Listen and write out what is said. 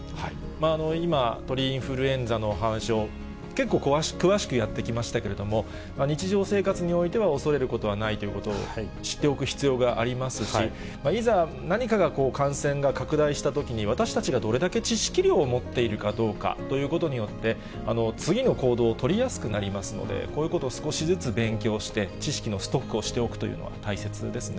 今、鳥インフルエンザの話を、結構詳しくやってきましたけれども、日常生活においては恐れることはないということを知っておく必要がありますし、いざ、何かが感染が拡大したときに、私たちがどれだけ知識量を持っているかどうかということによって、次の行動を取りやすくなりますので、こういうことを少しずつ勉強して、知識のストックをしておくというのは大切ですね。